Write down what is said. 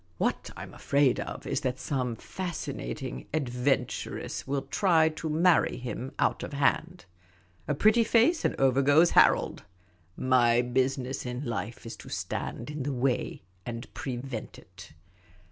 What I 'm always afraid of is that some fascinating adventuress will try to marry him out of hand. A pretty face, and over goes Harold ! Afy business in life is to stand in the way and prevent it."